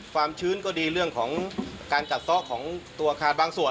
ชื้นก็ดีเรื่องของการกัดซ่อของตัวอาคารบางส่วน